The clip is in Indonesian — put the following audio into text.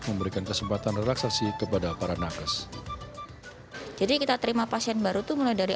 memberikan kesempatan relaksasi kepada para nakes jadi kita terima pasien baru tuh mulai dari